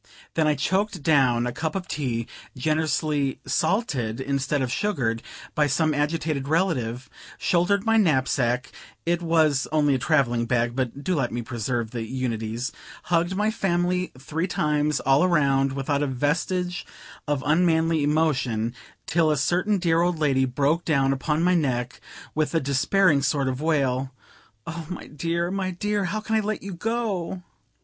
Then I choked down a cup of tea, generously salted instead of sugared, by some agitated relative, shouldered my knapsack it was only a traveling bag, but do let me preserve the unities hugged my family three times all round without a vestige of unmanly emotion, till a certain dear old lady broke down upon my neck, with a despairing sort of wail "Oh, my dear, my dear, how can I let you go?"